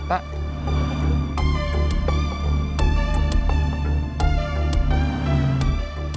itu kayak mobil atta